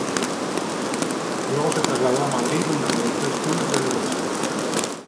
Luego se trasladó a Madrid donde realizó estudios de derecho.